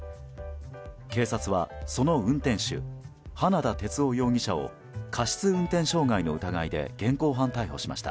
警察はその運転手花田哲男容疑者を過失運転致傷の疑いで現行犯逮捕しました。